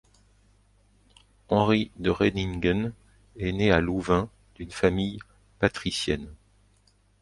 Henri de Redinghen est né à Louvain d'une famille patricienne.